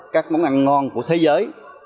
các món ăn ngon của thế giới